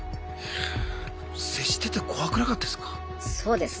接してて怖くなかったですか？